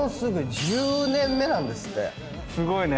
すごいね。